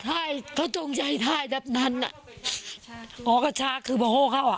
ก็ทายเขาจงใจทายแบบนั้นอ่ะออกกระชากคือบะโหเข้าอ่ะ